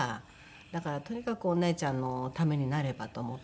だからとにかくお姉ちゃんのためになればと思って。